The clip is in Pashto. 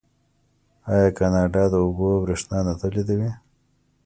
آیا کاناډا د اوبو بریښنا نه تولیدوي؟